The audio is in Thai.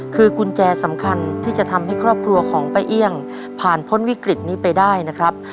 คือกุญแจสำคัญที่จะทำให้ครอบครัวของป้าเอี่ยงผ่านพ้นวิกฤตนี้ไปได้นะครับ